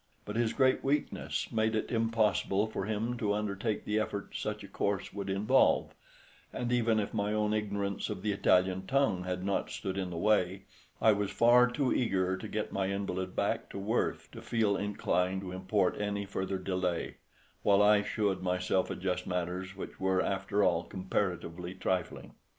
But his great weakness made it impossible for him to undertake the effort such a course would involve, and even if my own ignorance of the Italian tongue had not stood in the way, I was far too eager to get my invalid back to Worth to feel inclined to import any further delay, while I should myself adjust matters which were after all comparatively trifling.